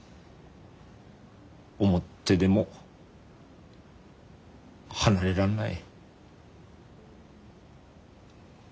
思ってでも離れらんない。